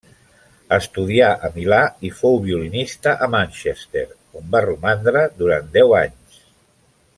Estudià a Milà i fou violinista a Manchester, on va romandre durant deu anys.